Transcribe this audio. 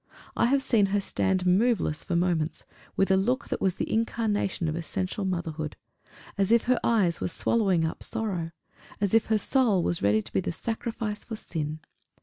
I have seen her stand moveless for moments, with a look that was the incarnation of essential motherhood as if her eyes were swallowing up sorrow; as if her soul was ready to be the sacrifice for sin.